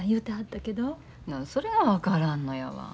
それが分からんのやわ。